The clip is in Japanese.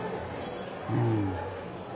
うん。